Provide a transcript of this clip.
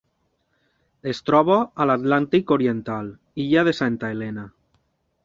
Es troba a l'Atlàntic oriental: illa de Santa Helena.